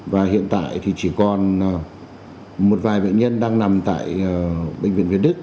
và hiện tại thì chỉ còn một vài bệnh nhân đang nằm tại bệnh viện việt đức